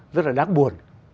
rất là đáng buồn